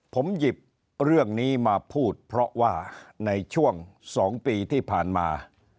ผมหยิบเรื่องนี้มาพูดเพราะว่าในช่วง๒ปีที่ผ่านมา